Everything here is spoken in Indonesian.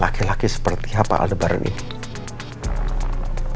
laki laki seperti apa aldebaran ini